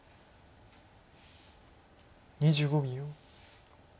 ２５秒。